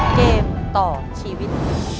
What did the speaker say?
เกมต่อชีวิต